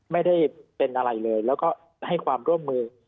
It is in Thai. ไม่ได้เป็นอะไรเลยแล้วก็ให้ความร่วมมือ